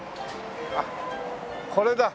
あっこれだ。